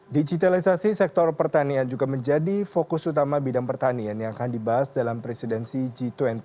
digitalisasi sektor pertanian juga menjadi fokus utama bidang pertanian yang akan dibahas dalam presidensi g dua puluh